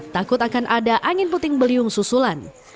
takut akan ada angin puting beliung susulan